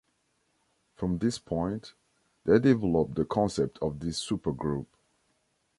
From this point, they developed the concept of this supergroup.